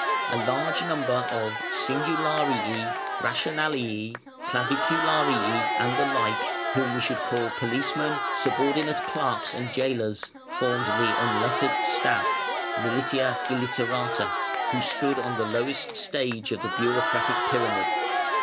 A large number of singularii, rationalii, clavicularii, and the like (whom we should call policemen, subordinate clerks, and gaolers) formed the "Unlettered Staff" (Militia Illiterata), who stood on the lowest stage of the bureaucratic pyramid.